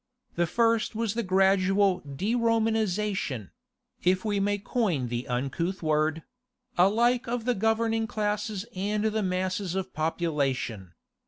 The first was the gradual de Romanization (if we may coin the uncouth word) alike of the governing classes and the masses of population.